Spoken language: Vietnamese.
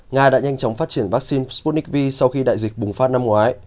nga đã nhanh chóng phát triển vaccine sputnik v sau khi đại dịch bùng phát năm ngoái